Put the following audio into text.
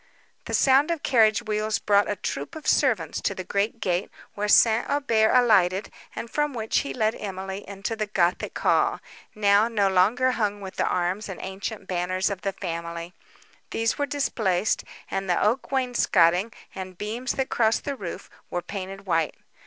The sound of carriage wheels brought a troop of servants to the great gate, where St. Aubert alighted, and from which he led Emily into the gothic hall, now no longer hung with the arms and ancient banners of the family. These were displaced, and the oak wainscotting, and beams that crossed the roof, were painted white.